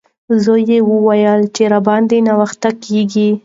زوی یې وویل چې راباندې ناوخته کیږي.